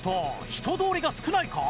人通りが少ないか？